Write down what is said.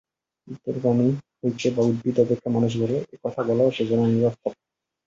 ইতর প্রাণী হইতে বা উদ্ভিদ অপেক্ষা মানুষ বড়, এ-কথা বলাও সেজন্য নিরর্থক।